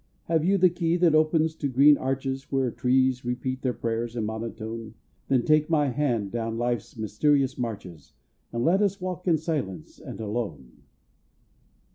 Have you the key that opens to green arches Where trees repeat their prayers in monotone? Then take my hand down life's mysterious marches, And let us walk in silence and alone.